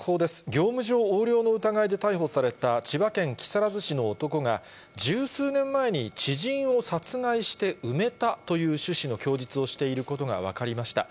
業務上横領の疑いで逮捕された千葉県木更津市の男が、十数年前に知人を殺害して埋めたという趣旨の供述をしていることが分かりました。